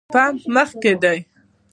پمپ مخکې ده